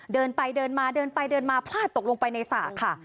เดินไปเดินมาเดินไปเดินมาพลาดตกลงไปในสระค่ะ